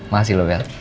makasih loh bel